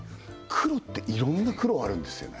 黒っていろんな黒あるんですよね？